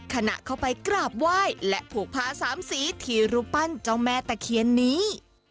ขณะเข้าไปกราบไหว้และผูกผ้าสามสีที่รูปปั้นเจ้าแม่ตะเคียนนี้